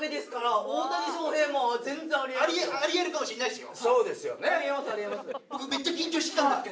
あり得るかもしれないですよ。